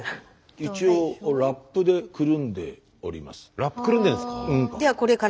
一応ラップでくるんでるんですか？